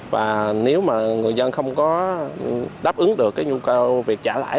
và nếu mà người dân không có đáp ứng được cái nhu cầu việc trả lãi